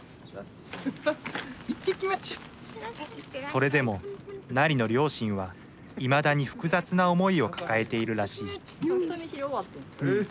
それでもなりの両親はいまだに複雑な思いを抱えているらしい人見知り終わってん。